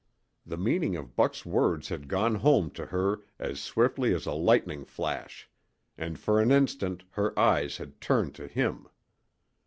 The meaning of Buck's words had gone home to her as swiftly as a lightning flash, and for an instant her eyes had turned to him!